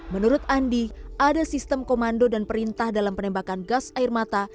menurut andi ada sistem komando dan perintah dalam penembakan gas air mata